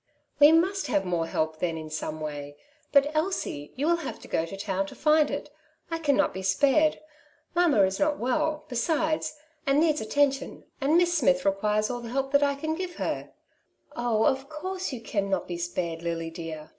'^ We must have more help then in some way ; but Elsie you will have to go to town to find it. I can not be spared; mamma is not well, besides, and needs attention, and Miss Smith requires all the help that I can give her/' ^' Oh, of course you cannot be spared, Lily dear.